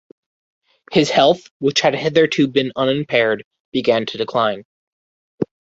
His health, which had hitherto been unimpaired, began to decline.